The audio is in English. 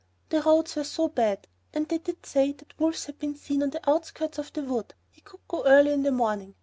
The roads were so bad! and they did say that wolves had been seen on the outskirts of the wood. He could go early in the morning.